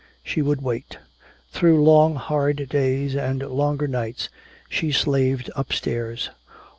She would wait. Through long hard days and longer nights she slaved upstairs.